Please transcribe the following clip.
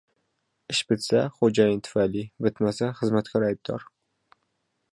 • Ish bitsa ― xo‘jayin tufayli, bitmasa xizmatkor aybdor.